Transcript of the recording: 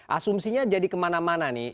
asumsinya jadi kemana mana nih